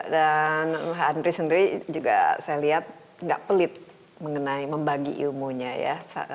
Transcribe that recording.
dan andri sendiri juga saya lihat gak pelit mengenai membagi ilmunya ya